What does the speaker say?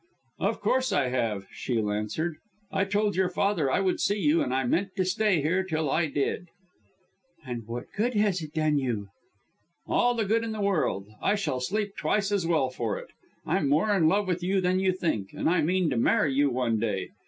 "Of course I have," Shiel answered. "I told your father I would see you, and I meant to stay here till I did." "And what good has it done you?" "All the good in the world. I shall sleep twice as well for it. I'm more in love with you than you think, and I mean to marry you one day.